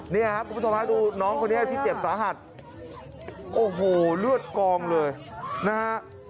นี่ครับคุณผู้ชมฮะดูน้องคนนี้ที่เจ็บสาหัสโอ้โหเลือดกองเลยนะฮะ